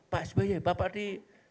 pak sby bapak di